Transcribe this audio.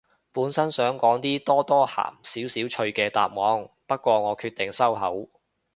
本身想講啲多多鹹少少趣嘅答案，不過我決定收口